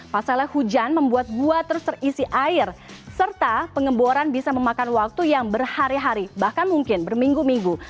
pasalnya hujan membuat gua terus terisi air serta pengeboran bisa memakan waktu yang berhari hari bahkan mungkin berminggu minggu